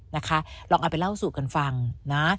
นะคะลองเอาไปเล่าสู่กันฟังนะ